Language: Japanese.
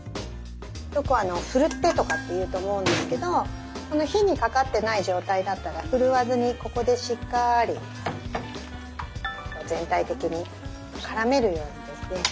よく振るってとかって言うと思うんですけど火にかかってない状態だったら振るわずにここでしっかり全体的に絡めるようにですね